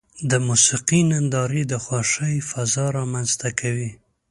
د موسیقۍ نندارې د خوښۍ فضا رامنځته کوي.